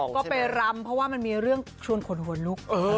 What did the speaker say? ก็ไปรำเพราะว่ามันมีเรื่องชวนขนหัวลุก